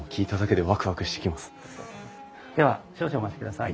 では少々お待ちください。